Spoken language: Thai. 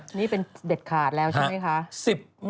นี่เป็นเด็ดขาดแล้วใช่ไหมคะ